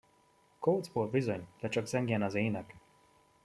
Kócból, bizony, de csak zengjen az ének!